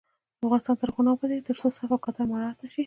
افغانستان تر هغو نه ابادیږي، ترڅو صف او کتار مراعت نشي.